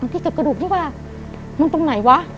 เก็บกระดูกพี่ว่ามันตรงไหนวะ